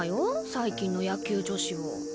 最近の野球女子を。